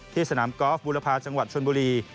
สนามกอล์ฟบุรพาจังหวัดชนบุรี